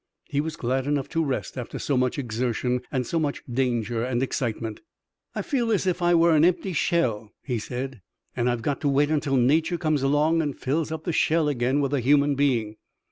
He was glad enough to rest after so much exertion and so much danger and excitement. "I feel as if I were an empty shell," he said, "and I've got to wait until nature comes along and fills up the shell again with a human being."